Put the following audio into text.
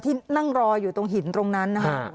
นั่งรออยู่ตรงหินตรงนั้นนะคะ